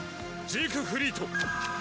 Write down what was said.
ジークフリート